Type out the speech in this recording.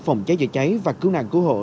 phòng cháy chữa cháy và cứu nạn cứu hộ